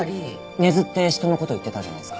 根津って人の事言ってたじゃないですか。